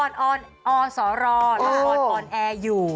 ออนอสรละครออนแอร์อยู่